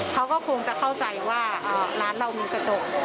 เขาก็คงจะเข้าใจว่าร้านเรามีกระจก